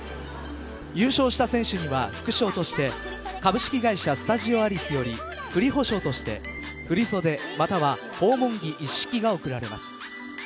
優勝した選手には副賞として株式会社スタジオアリスよりふりホ賞として振り袖または訪問着一式が贈られます。